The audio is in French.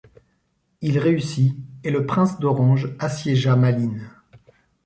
Il réussit et le prince d’Orange assiégea Malines.